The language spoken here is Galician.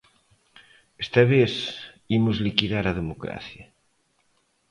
"Esta vez, imos liquidar a democracia".